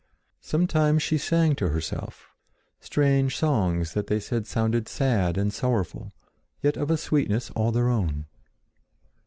Sometimes she sang to herself, strange songs that they said sounded sad and sorrowful, yet of a sweetness all their own.